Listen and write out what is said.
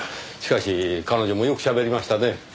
しかし彼女もよく喋りましたね。